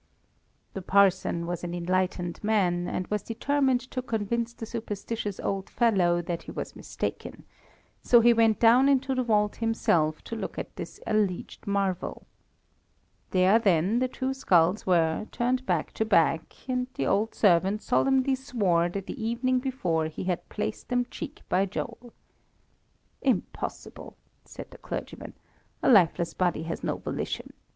"The parson was an enlightened man, and was determined to convince the superstitious old fellow that he was mistaken, so he went down into the vault himself to look at this alleged marvel. "There, then, the two skulls were, turned back to back, and the old servant solemnly swore that the evening before he had placed them cheek by jowl. "'Impossible,' said the clergyman. 'A lifeless body has no volition.